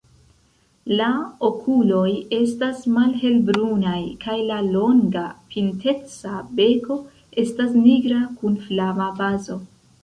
La okuloj estas malhelbrunaj kaj la longa, pinteca beko estas nigra kun flava bazo.